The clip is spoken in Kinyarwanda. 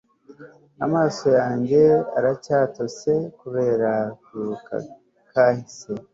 amaso yanjye aracyatose kubera kwibuka kahise